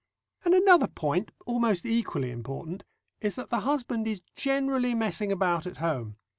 And another point, almost equally important, is that the husband is generally messing about at home.